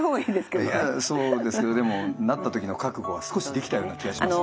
いやそうですけどでもなった時の覚悟は少しできたような気がします。